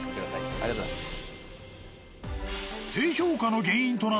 ありがとうございます。